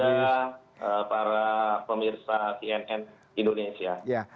dan juga para pemirsa tnn indonesia